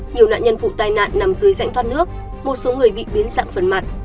nhiều nạn nhân vụ tai nạn nằm dưới rãnh thoát nước một số người bị biến dạng phần mặt